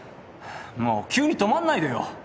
もう急に止まんないでよ。